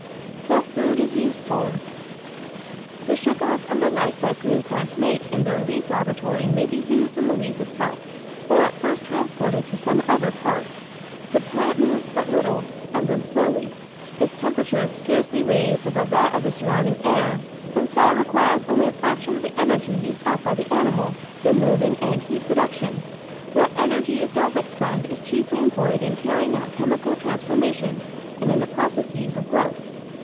What Food is Used for The sugars and the like that green plants make in their leaf laboratory may be used in the leaf itself, or first transported to some other part. The plant moves but little, and then slowly; its temperature is scarcely raised above that of the surrounding air; and so it requires only a fraction of the energy used up by the animal, in moving and heat production. What energy it does expend is chiefly employed in carrying out chemical transforma tions and in the processes of growth.